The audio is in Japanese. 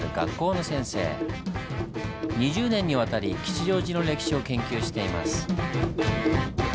２０年にわたり吉祥寺の歴史を研究しています。